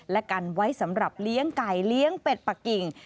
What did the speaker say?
และกันไว้สำหรับเลี้ยงไก่เลี้ยงเป็ดปะกิ่ง